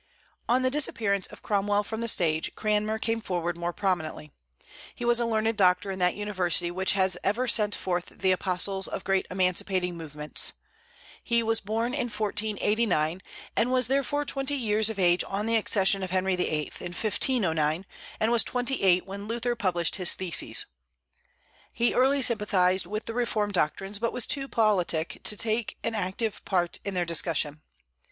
On the disappearance of Cromwell from the stage, Cranmer came forward more prominently. He was a learned doctor in that university which has ever sent forth the apostles of great emancipating movements. He was born in 1489, and was therefore twenty years of age on the accession of Henry VIII. in 1509, and was twenty eight when Luther published his theses. He early sympathized with the reform doctrines, but was too politic to take an active part in their discussion.